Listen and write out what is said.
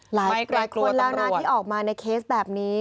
หลายคนร่างรายที่ออกมาในเคสแบบนี้